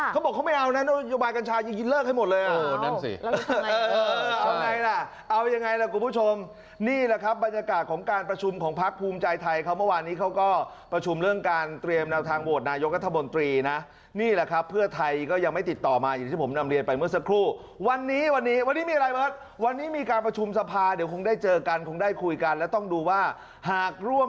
เขาบอกเขาไม่เอานะระบายกันชายิงิดเลิกให้หมดเลย